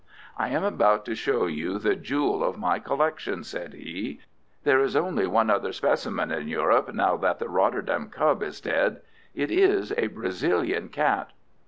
"I am about to show you the jewel of my collection," said he. "There is only one other specimen in Europe, now that the Rotterdam cub is dead. It is a Brazilian cat."